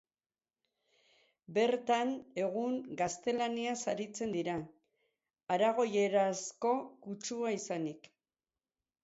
Bertan, egun, gaztelaniaz aritzen dira aragoierazko kutsua izanik.